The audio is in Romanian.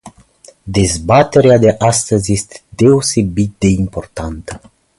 Dezbaterea de astăzi este deosebit de importantă.